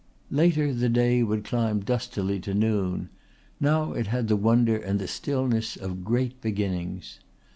Later the day would climb dustily to noon; now it had the wonder and the stillness of great beginnings.